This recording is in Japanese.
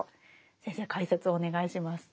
先生解説をお願いします。